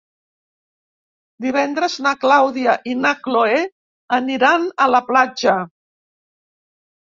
Divendres na Clàudia i na Cloè aniran a la platja.